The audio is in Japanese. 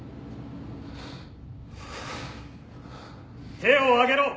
手を上げろ。